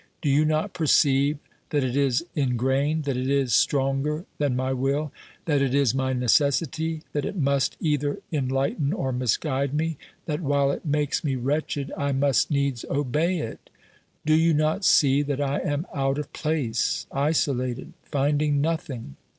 Do you not perceive that it is ingrained, that it is stronger than my will, that it is my necessity, that it must either en lighten or misguide me, that while it makes me wretched I must needs obey it ? Do you not see that I am out of place, isolated, finding nothing